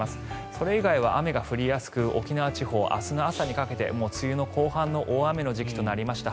それ以外は雨が降りやすく沖縄地方、明日の朝にかけて梅雨の後半の大雨の時期となりました。